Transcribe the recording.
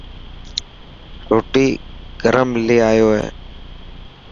روٽي گرم لي آيو هي.